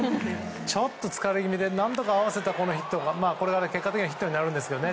ちょっと疲れ気味で何とか合わせたヒットがこれが結果的にはヒットになるんですけどね。